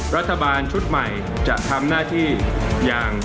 รัฐบาลชุดใหม่จะทำหน้าที่อย่าง